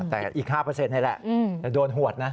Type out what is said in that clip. แต่อีก๕นี่แหละโดนหวดนะ